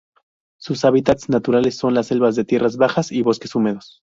Sus hábitats naturales son las selvas de tierras bajas y bosques húmedos.